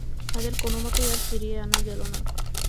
তাদের কোনোমতেই আর ফিরিয়ে আনা গেল না।